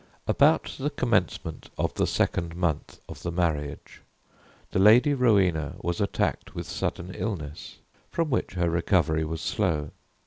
About the commencement of the second month of the marriage, the Lady Rowena was attacked with sudden illness, from which her recovery was slow.